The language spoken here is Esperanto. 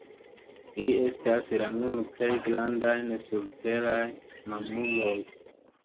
Ili estas la nun plej grandaj surteraj mamuloj.